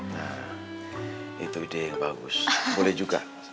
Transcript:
nah itu ide yang bagus boleh juga